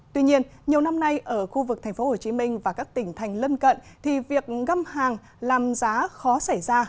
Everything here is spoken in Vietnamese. tuy nhiên nhiều năm nay ở khu vực tp hcm và các tỉnh thành lân cận thì việc găm hàng làm giá khó xảy ra